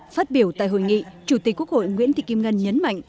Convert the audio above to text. phát biểu tại hội nghị chủ tịch quốc hội nguyễn thị kim ngân nhấn mạnh